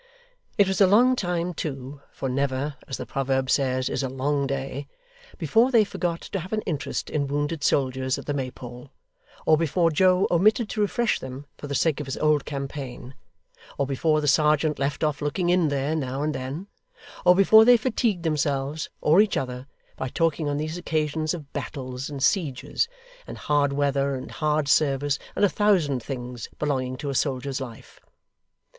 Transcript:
It was a long time too for Never, as the proverb says, is a long day before they forgot to have an interest in wounded soldiers at the Maypole, or before Joe omitted to refresh them, for the sake of his old campaign; or before the serjeant left off looking in there, now and then; or before they fatigued themselves, or each other, by talking on these occasions of battles and sieges, and hard weather and hard service, and a thousand things belonging to a soldier's life.